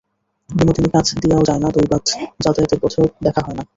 বিনোদিনী কাছ দিয়াও যায় না–দৈবাৎ যাতায়াতের পথেও দেখা হয় না।